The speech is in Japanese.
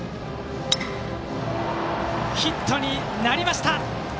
ヒットになりました。